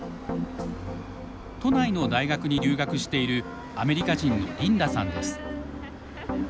都内の大学に留学しているアメリカ人のリンダさんです。